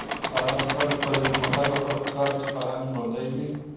د افغانستان د اقتصادي پرمختګ لپاره پکار ده چې فرهنګ ژوندی وي.